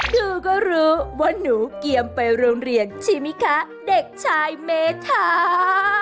ครูก็รู้ว่าหนูเกียมไปโรงเรียนใช่ไหมคะเด็กชายเมธา